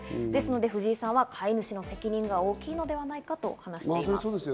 藤井さんは飼い主の責任が大きいのではないかと話しています。